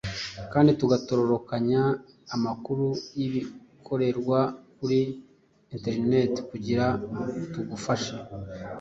kandi tugatororokanya amakuru y'ibikorerwa kuri internet kugira tugufashe